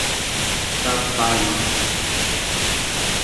capazes